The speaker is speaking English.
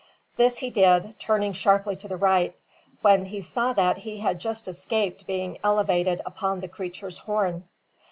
This he did, turning sharply to the right, when he saw that he had just escaped being elevated upon the creature's horn.